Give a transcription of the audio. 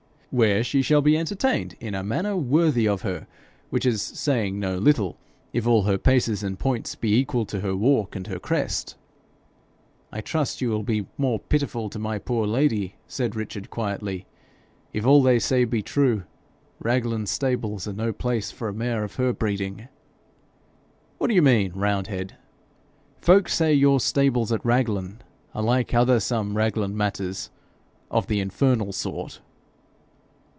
'Where she shall be entertained in a manner worthy of her, which is saying no little, if all her paces and points be equal to her walk and her crest.' 'I trust you will be more pitiful to my poor Lady,' said Richard, quietly. 'If all they say be true, Raglan stables are no place for a mare of her breeding.' 'What do you mean, roundhead?' 'Folk say your stables at Raglan are like other some Raglan matters of the infernal sort.'